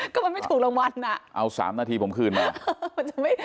ก็มันไม่ถูกรางวัลอ่ะเอา๓นาทีผมคืนมา